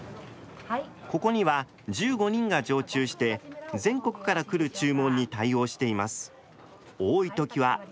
ここには１５人が常駐して全国から来る注文に対応しています。